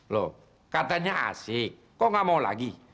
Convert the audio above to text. loh katanya asik kok gak mau lagi